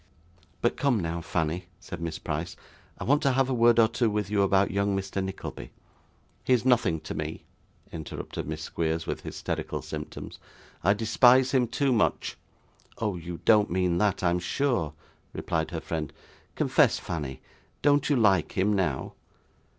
'But come now, Fanny,' said Miss Price, 'I want to have a word or two with you about young Mr. Nickleby.' 'He is nothing to me,' interrupted Miss Squeers, with hysterical symptoms. 'I despise him too much!' 'Oh, you don't mean that, I am sure?' replied her friend. 'Confess, Fanny; don't you like him now?